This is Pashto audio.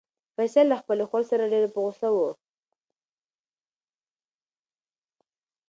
فیصل له خپلې خور څخه ډېر په غوسه و.